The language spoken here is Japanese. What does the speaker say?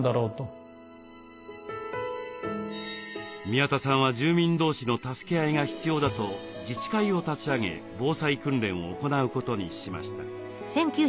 宮田さんは住民同士の助け合いが必要だと自治会を立ち上げ防災訓練を行うことにしました。